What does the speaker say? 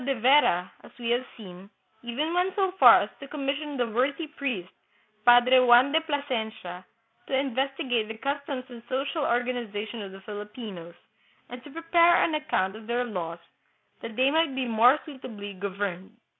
Santiago de Vera, as we have seen, even went so far as to commission the worthy priest, Padre Juan de Plasencia, to investigate the customs and social organ ization of the Filipinos, and to prepare an account of their laws, that they might be more suitably governed.